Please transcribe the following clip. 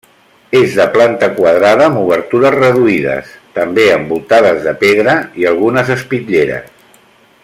És de planta quadrada amb obertures reduïdes, també envoltades de pedra i algunes espitlleres.